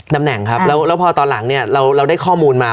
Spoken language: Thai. ตำแหน่งครับแล้วพอตอนหลังเนี่ยเราได้ข้อมูลมา